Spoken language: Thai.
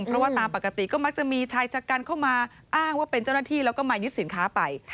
เพราะว่าตามปกติก็มักจะมีชายชะกันเข้ามาอ้างว่าเป็นเจ้าหน้าที่แล้วก็มายึดสินค้าไป